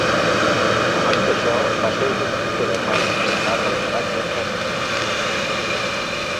Abans d"això, va ser el districte de Maine, part de l"estat de Massachusetts.